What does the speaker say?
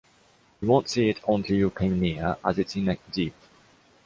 You won’t see it until you come near, as it’s in a dip.